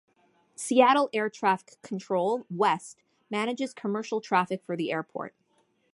Seattle air traffic control, west, manages commercial traffic for the airport.